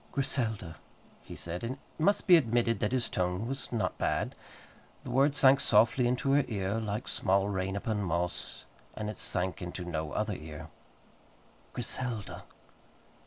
"Griselda," he said, and it must be admitted that his tone was not bad. The word sank softly into her ear, like small rain upon moss, and it sank into no other ear. "Griselda!"